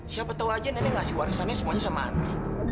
siapa tahu aja nenek ngasih warisannya semuanya sama andri